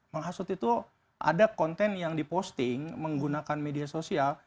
menghasut itu ada konten yang diposting menggunakan media sosial